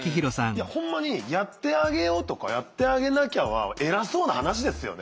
いやほんまにやってあげようとかやってあげなきゃは偉そうな話ですよね。